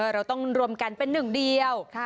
เราต้องรวมกันเป็นหนึ่งเดียว